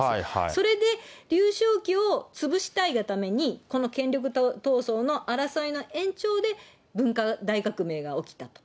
それで、劉少奇を潰したいがために、この権力闘争の争いの延長で、文化大革命が起きたと。